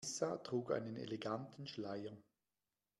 Marissa trug einen eleganten Schleier.